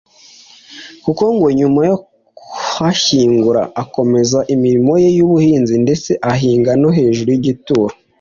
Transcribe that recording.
kuko ngo nyuma yo kuhashyingura akomeza imirimo ye y’ubuhinzi ndetse agahinga no hejuru y’igituro